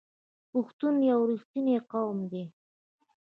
پښتون یو رښتینی قوم دی.